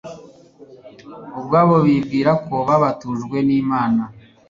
ubwabo bibwira ko babutejwe nImana